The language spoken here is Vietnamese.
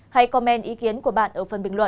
hãy comment ý kiến của bạn ở phần bình luận